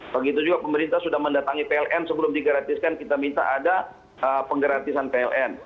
begitu juga pemerintah sudah mendatangi pln sebelum digratiskan kita minta ada penggratisan pln